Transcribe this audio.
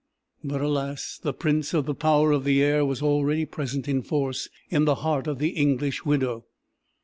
But, alas, the Prince of the Power of the Air was already present in force, in the heart of the English widow!